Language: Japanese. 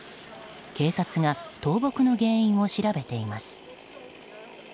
警察が倒木の原因を調べています。